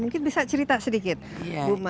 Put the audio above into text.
mungkin bisa cerita sedikit bu mas ya